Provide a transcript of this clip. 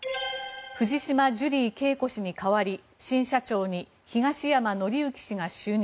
藤島ジュリー景子氏に代わり新社長に東山紀之氏が就任。